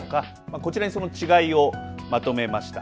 こちらにその違いをまとめました。